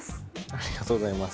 ありがとうございます。